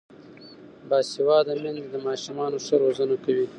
باسواده میندې د ماشومانو ښه روزنه کوي.